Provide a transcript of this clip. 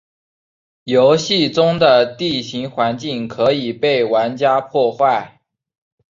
游戏中的地形环境可以被玩家破坏。